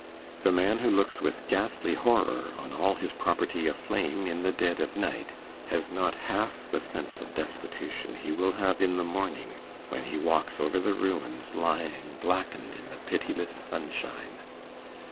The man who looks with ghastly horror on all his property aflame in the dead of night, has not half the sense of destitution he will have in the morning, when he walks over the ruins lying blackened in the pitiless sunshine.